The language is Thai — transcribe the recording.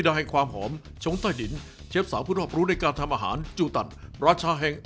เยอะแล้ว